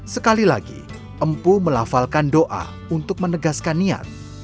sekali lagi empu melafalkan doa untuk menegaskan niat